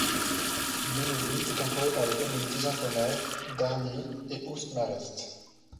Méneslies est entourée par les communes d'Yzengremer, Dargnies et Oust-Marest.